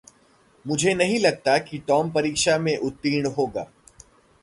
मुझे नहीं लगता कि टॉम परीक्षा में उत्तीर्ण होगा।